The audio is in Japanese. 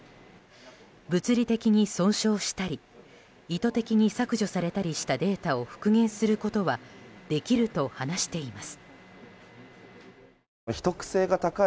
物理的に損傷したり、意図的に削除されたりしたデータを復元することはできると話しています。